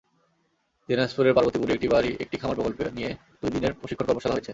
দিনাজপুরের পার্বতীপুরে একটি বাড়ি একটি খামার প্রকল্প নিয়ে দুই দিনের প্রশিক্ষণ কর্মশালা হয়েছে।